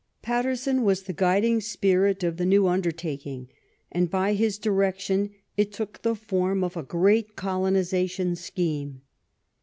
Paterson was the guiding spirit of the new under taking, and by his direction it took the form of a great colonization scheme.